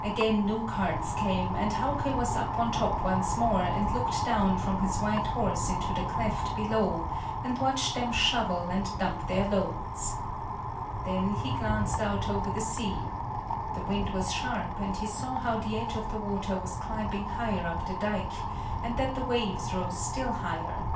Again new carts came, and Hauke was up on top once more, and looked down from his white horse into the cleft below and watched them shovel and dump their loads. Then he glanced out over the sea. The wind was sharp and he saw how the edge of the water was climbing higher up the dike and that the waves rose still higher.